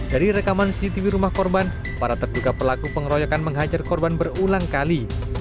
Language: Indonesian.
dari rekaman cctv rumah korban para terduga pelaku pengeroyokan menghajar korban berulang kali